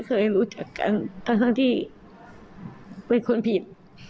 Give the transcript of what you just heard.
ครับ